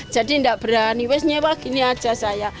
jadi ndak berani wes nyewa gini aja saya